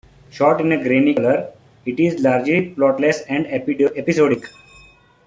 Shot in grainy colour, it is largely plotless and episodic.